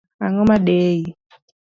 Ang’o madei?